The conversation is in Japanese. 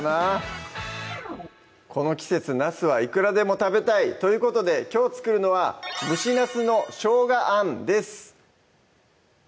この季節なすはいくらでも食べたいということできょう作るのは「蒸しナスの生姜あん」です